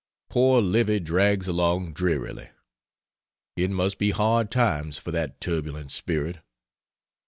Poor Livy drags along drearily. It must be hard times for that turbulent spirit.